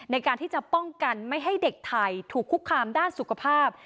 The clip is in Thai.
ในการที่จะป้องกันไม่ให้เด็กไทยถูกคุกคามด้านสุขภาพ